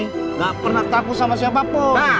tidak pernah takut sama siapapun